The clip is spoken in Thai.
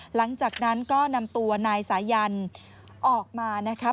หลังจากนั้นก็นำตัวนายสายันออกมานะครับ